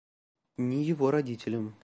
Ни его родителям.